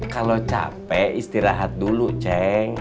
kalau capek istirahat dulu ceng